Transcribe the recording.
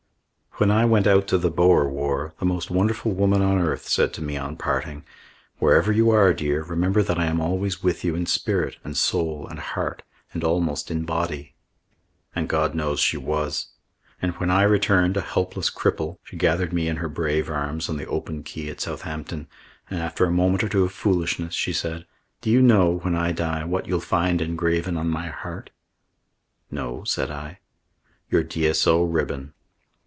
When I went out to the Boer War, the most wonderful woman on earth said to me on parting: "Wherever you are, dear, remember that I am always with you in spirit and soul and heart and almost in body." And God knows she was. And when I returned a helpless cripple she gathered me in her brave arms on the open quay at Southampton, and after a moment or two of foolishness, she said: "Do you know, when I die, what you'll find engraven on my heart?" "No," said I. "Your D.S.O. ribbon."